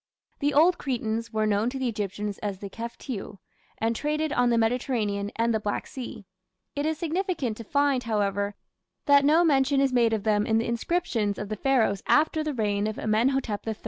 The old Cretans were known to the Egyptians as the "Keftiu", and traded on the Mediterranean and the Black Sea. It is significant to find, however, that no mention is made of them in the inscriptions of the Pharaohs after the reign of Amenhotep III.